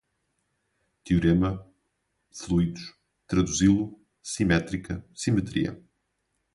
Teorema, fluidos, traduzi-lo, simétrica, simetria